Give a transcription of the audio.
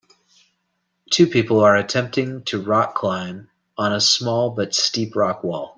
Two people are attempting to rock climb on a small but steep rock wall.